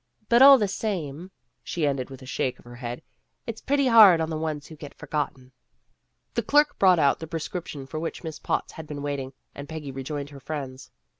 But all the same," she ended, with a shake of her head, "it's pretty hard on the ones who get forgotten." The clerk brought out the prescription for which Miss Potts had been waiting, and Peggy rejoined her friends.